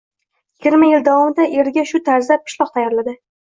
Yigirma yil davomida eriga shu tarzda pishloq tayyorladi.